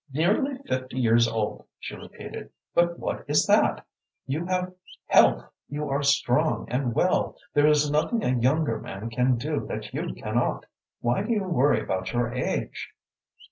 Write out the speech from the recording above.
"Nearly fifty years old!" she repeated. "But what is that? You have health, you are strong and well, there is nothing a younger man can do that you cannot. Why do you worry about your age?"